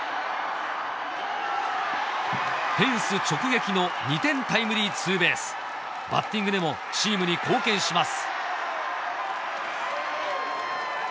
フェンス直撃の２点タイムリーツーベースバッティングでもチームに貢献します